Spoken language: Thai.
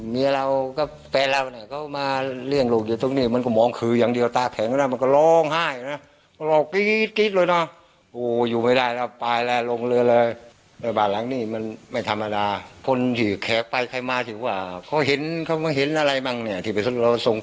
เจ้าขาวบ้างเหลืองบ้างไหมมีเด็กบ้างเนี่ย